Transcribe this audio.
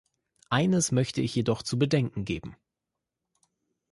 Eines möchte ich jedoch zu bedenken geben.